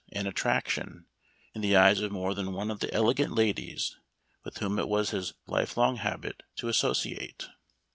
69 and attraction in the eyes of more than one of the elegant ladies with whom it was his life long habit to associate.